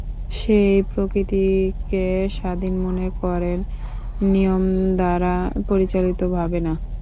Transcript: সে এই প্রকৃতিকে স্বাধীন মনে করে, নিয়মদ্বারা পরিচালিত ভাবে না।